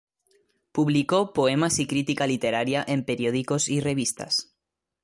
Publicó poemas y crítica literaria en periódicos y revistas.